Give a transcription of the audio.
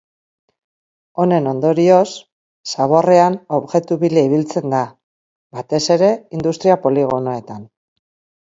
Honen ondorioz, zaborrean objektu bila ibiltzen da, batez ere industria-poligonoetan.